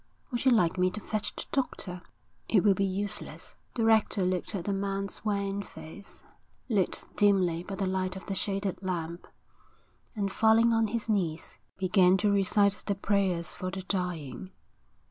'Would you like me to fetch the doctor?' 'It will be useless.' The rector looked at the man's wan face, lit dimly by the light of the shaded lamp, and falling on his knees, began to recite the prayers for the dying.